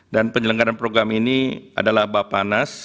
dan penyelenggaran program ini adalah bapanas